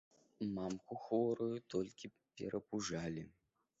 Мамку хворую толькі перапужалі.